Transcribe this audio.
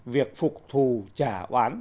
việc phục thù trả oán